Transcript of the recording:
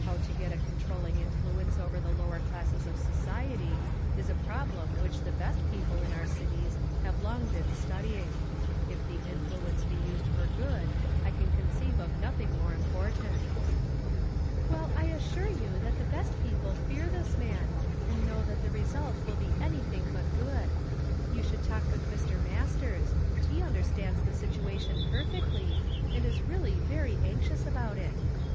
"How to ,i,'et a eou trolliui';' inllueuee over the lower classes of society is a problem which the best peoj)h^ in our cities have long been study in<r. If the influence be used for good, I can conceive of nothing more important." "Well, I assure you that the best j)eople fear this man, and know that the result will be any thing but good. You should talk with Mr. Alas tei s; lie nndei stands the situation perfectly, and is really very anxious about it.